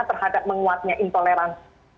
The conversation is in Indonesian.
terhadap menguatnya intoleransi